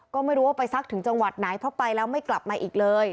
ก็ไม่รู้ว่าไปซักถึงจังหวัดไหนเพราะไปแล้วไม่กลับมาอีกเลย